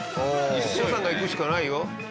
お父さんが行くしかないよ。